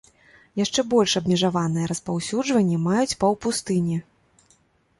Яшчэ больш абмежаванае распаўсюджванне маюць паўпустыні.